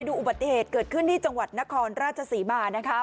อุบัติเหตุเกิดขึ้นที่จังหวัดนครราชศรีมานะคะ